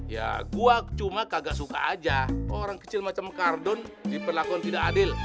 ya gua cuma kagak suka aja orang kecil macam kardon diperlakukan tidak adil